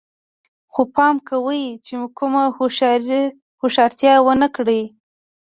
خو پام کوئ چې کومه هوښیارتیا ونه کړئ